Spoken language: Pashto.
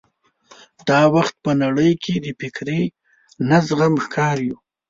دا وخت په نړۍ کې د فکري نه زغم ښکار یو.